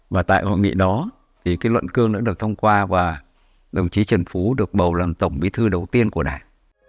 và tại hội nghị đó thì cái luận cương đã được thông qua và đồng chí trần phú được bầu làm tổng bí thư đầu tiên của đảng